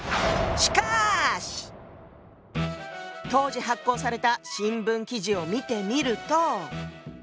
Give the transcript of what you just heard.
当時発行された新聞記事を見てみると。